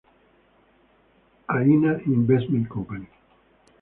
Haina Investment Co.